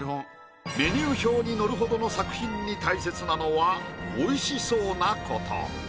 メニュー表に載るほどの作品に大切なのは「美味しそう」なこと。